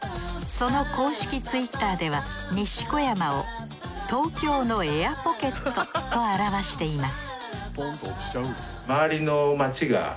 その公式ツイッターでは西小山を「東京のエアポケット」と表しています